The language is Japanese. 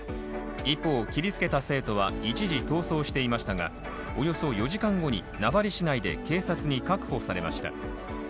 一方、切りつけた生徒は一時、逃走していましたがおよそ４時間後に名張市内で警察に確保されました。